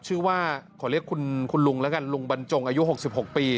ชื่อว่าขอเรียกคุณลุงแล้วกันลุงบรรจงอายุ๖๖ปี